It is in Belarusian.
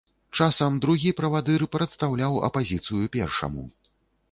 Часам другі правадыр прадстаўляў апазіцыю першаму.